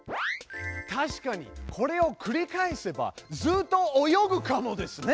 たしかにこれをくり返せばずっと泳ぐかもですね！